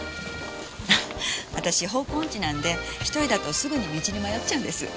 私方向音痴なんで１人だとすぐに道に迷っちゃうんです。